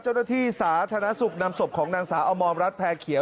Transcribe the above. เจ้าหน้าที่สาธารณสุขนำศพของนางสาวอมรรัฐแพร่เขียว